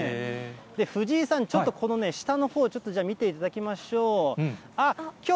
藤井さん、ちょっとこの下のほう、ちょっと見ていただきましょう。